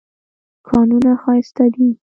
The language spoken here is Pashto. کانونه ښایسته دي.